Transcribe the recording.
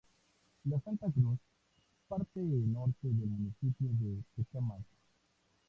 La Santa Cruz: parte norte del municipio de Tecámac.